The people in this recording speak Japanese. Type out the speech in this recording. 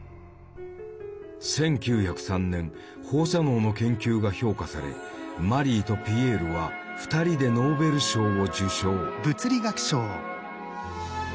１９０３年放射能の研究が評価されマリーとピエールは２人でノーベル賞を受賞。